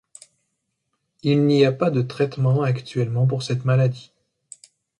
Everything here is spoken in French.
Il n'y a pas de traitement actuellement pour cette maladie.